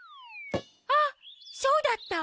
あっそうだった！